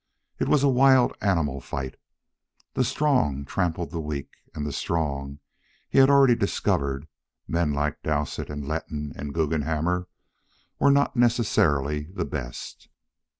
It was a wild animal fight; the strong trampled the weak, and the strong, he had already discovered, men like Dowsett, and Letton, and Guggenhammer, were not necessarily the best.